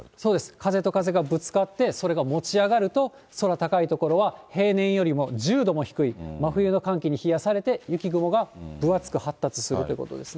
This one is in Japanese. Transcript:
風と風がぶつかって、それが持ち上がると、空高い所は平年よりも１０度も低い、真冬の寒気に冷やされて、雪雲が分厚く発達するということですね。